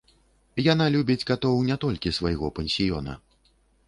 Яна любіць катоў не толькі свайго пансіёна.